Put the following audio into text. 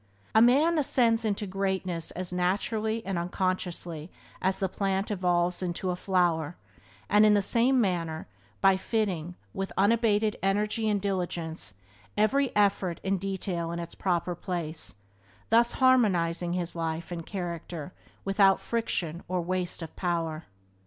A man ascends into greatness as naturally and unconsciously as the plant evolves a flower, and in the same manner, by fitting, with unabated energy and diligence, every effort and detail in its proper place, thus harmonizing his life and character without friction or waste of power.